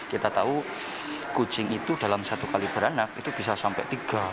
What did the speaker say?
kita tahu kucing itu dalam satu kali beranak itu bisa sampai tiga